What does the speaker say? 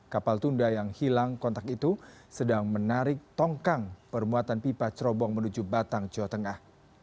kapal tunda yang hilang kontak itu sedang menarik tongkang bermuatan pipa cerobong menuju batang jawa tengah